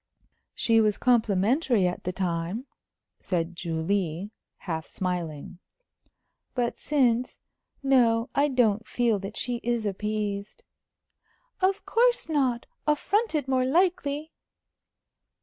"She was complimentary at the time," said Julie, half smiling. "But since No, I don't feel that she is appeased." "Of course not. Affronted, more likely."